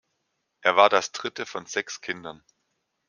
Er war das dritte von sechs Kindern.